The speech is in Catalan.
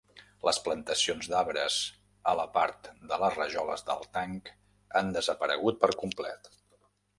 Les plantacions d'arbres a la part de les rajoles del tanc han desaparegut per complet.